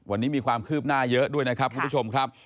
วันนี้มีความคืบหน้าเยอะด้วยนะครับคุณผู้ชมครับ